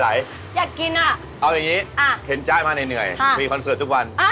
อันนี้ดูเป็นยังไงคุณ